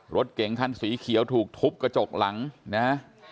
รถเก๋งคันสีเขียวถูกทุบกระจกหลังนะฮะ